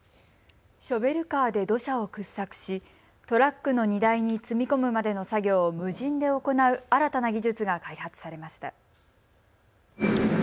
ショベルカーで土砂を掘削しトラックの荷台に積み込むまでの作業を無人で行う新たな技術が開発されました。